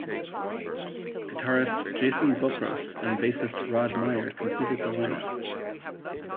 Guitarist Jason Bokros and bassist Rod Meyer completed the lineup.